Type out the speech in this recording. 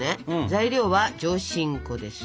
材料は上新粉です。